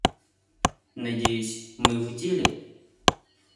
Надеюсь, мы в деле.